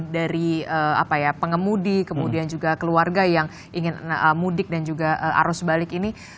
dari pengemudi kemudian juga keluarga yang ingin mudik dan juga arus balik ini